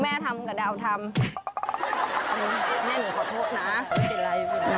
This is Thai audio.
ไม่เป็นไรขอโทษนะ